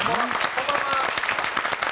こんばんは。